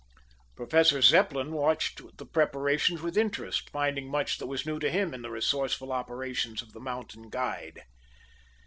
Professor Zepplin watched the preparations with interest, finding much that was new to him in the resourceful operations of the mountain guide.